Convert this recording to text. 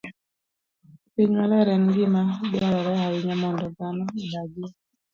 Piny maler en gima dwarore ahinya mondo dhano odagie.